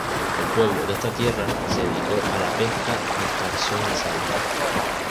El pueblo de esta tierra se dedicó a la pesca y extracción de sal.